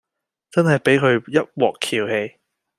真係俾佢一鑊蹺起